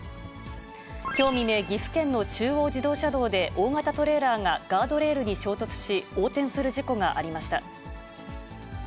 きょう未明、岐阜県の中央自動車道で大型トレーラーがガードレールに衝突し、横転する事故がありました。